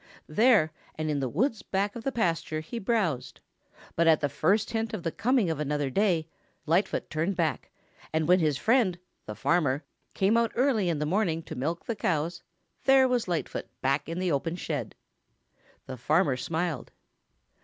There and in the woods back of the pasture he browsed, but at the first hint of the coming of another day, Lightfoot turned back, and when his friend, the farmer, came out early in the morning to milk the cows, there was Lightfoot back in the open shed. The farmer smiled.